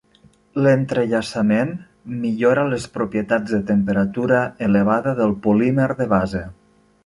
L'entrellaçament millora les propietats de temperatura elevada del polímer de base.